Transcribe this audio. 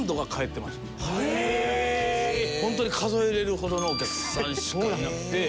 ホントに数えられるほどのお客さんしかいなくて。